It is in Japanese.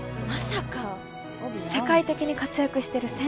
まさか世界的に活躍してる